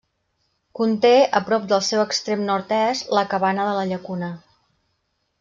Conté, a prop del seu extrem nord-est, la Cabana de la Llacuna.